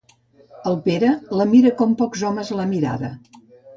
El Pere la mira com pocs homes l'han mirada.